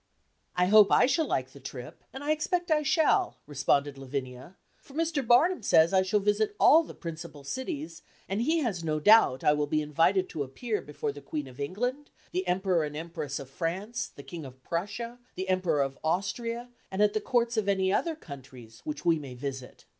"I hope I shall like the trip, and I expect I shall," responded Lavinia; "for Mr. Barnum says I shall visit all the principal cities, and he has no doubt I will be invited to appear before the Queen of England, the Emperor and Empress of France, the King of Prussia, the Emperor of Austria, and at the courts of any other countries which we may visit.